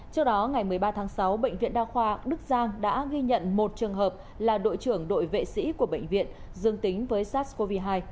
trước đó ngày một mươi ba tháng sáu bệnh viện đa khoa đức giang đã ghi nhận một trường hợp là đội trưởng đội vệ sĩ của bệnh viện dương tính với sars cov hai